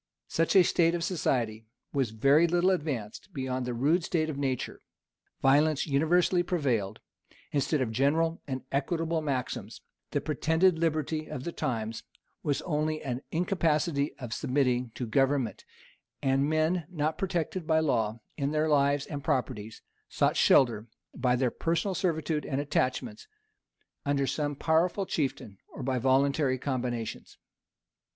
Such a state of society was very little advanced beyond the rude state of nature: violence universally prevailed, instead of general and equitable maxims: the pretended liberty of the times was only an incapacity of submitting to government: and men, not protected by law in their lives and properties, sought shelter, by their personal servitude and attachments, under some powerful chieftain, or by voluntary combinations.